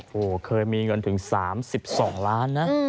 โอ้โหเคยมีเงินถึง๓๒ล้านนะ